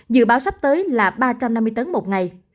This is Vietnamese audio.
dự báo sắp tới là ba trăm năm mươi tấn một ngày